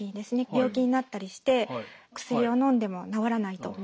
病気になったりして薬をのんでも治らないと。